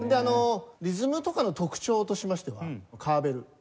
リズムとかの特徴としましてはカウベル。